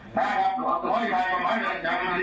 เจรจาต่อรองเงินไป๕ล้านแลกกับการปล่อยตัว